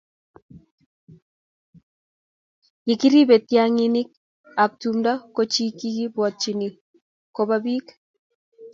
ye kiriben tiangik ab tumdo ko chikikibwatchin kobo bik